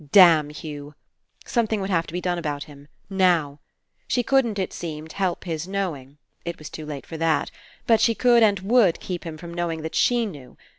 Damn Hugh! Something would have to be done about him. Now. She couldn't, it seemed, help his know ing. It was too late for that. But she could and would keep him from knowing that she knew.